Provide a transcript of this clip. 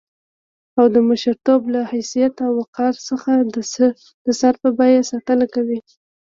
او د مشرتوب له حيثيت او وقار څخه د سر په بيه ساتنه کوي.